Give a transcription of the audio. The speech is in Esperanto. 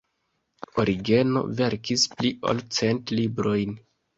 Origeno verkis pli ol cent librojn.